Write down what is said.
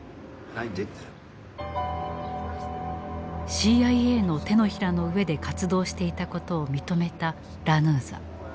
ＣＩＡの手のひらの上で活動していたことを認めたラヌーザ。